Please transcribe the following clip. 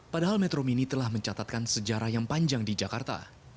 padahal metro mini telah mencatatkan sejarah yang panjang di jakarta